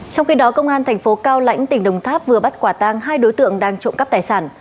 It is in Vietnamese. trong khi đó công an thành phố cao lãnh tỉnh đồng tháp vừa bắt quả tang hai đối tượng đang trộm cắp tài sản